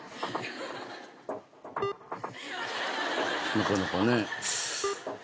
なかなかね。